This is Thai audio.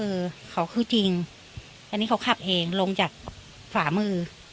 เออเขาคือจริงอันนี้เขาขับเองลงจากฝามือ